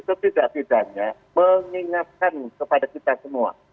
setidak tidaknya mengingatkan kepada kita semua